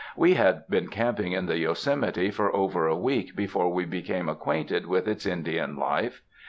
We had been camping in the Yosemite for over a week before we became acquainted with its Indian life.